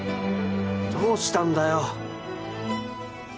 どうしたんだよ。